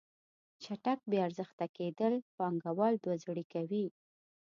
چټک بې ارزښته کیدل پانګوال دوه زړې کوي.